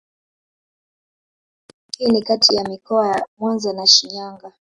Hii ni katika mikoa ya Mwanza na Shinyanga